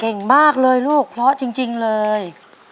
เก่งมากเลยลูกเพราะจริงเลย